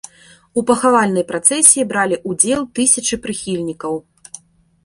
У пахавальнай працэсіі бралі ўдзел тысячы прыхільнікаў.